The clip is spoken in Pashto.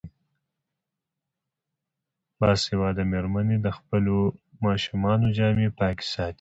باسواده میندې د ماشومانو جامې پاکې ساتي.